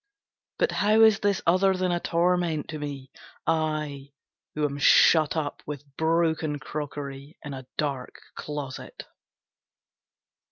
But how is this other than a torment to me! I, who am shut up, with broken crockery, In a dark closet!